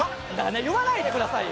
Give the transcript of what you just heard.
言わないでくださいよ！